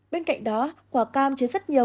bên cạnh đó quả cam chế rất nhiều